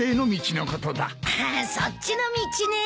ああそっちの道ね。